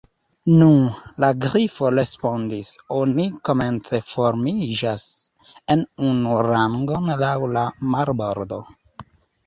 "Nu," la Grifo respondis, "oni komence formiĝas en unu rangon laŭ la marbordo."